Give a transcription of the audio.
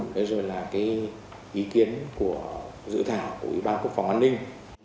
đây rồi là ý kiến của dự thảo của ủy ban quốc phòng an ninh